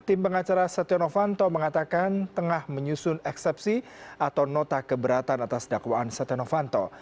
tim pengacara setia novanto mengatakan tengah menyusun eksepsi atau nota keberatan atas dakwaan setia novanto